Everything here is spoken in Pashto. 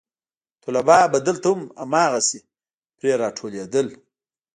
طلبا به دلته هم هماغسې پرې راټولېدل.